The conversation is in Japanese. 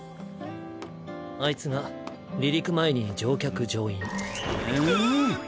あいつが離陸前に乗客乗員。